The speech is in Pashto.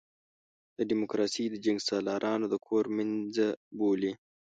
ډیموکراسي د جنګسالارانو د کور مېنځه بولي.